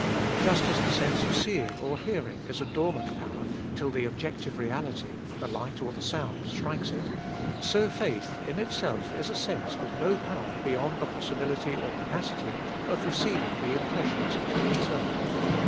Just as the sense of seeing or hearing is a dormant power till the objective reality, the light or the sound, strikes it, so faith in itself is a sense with no power beyond the possibility or capacity of receiving the impressions of the eternal.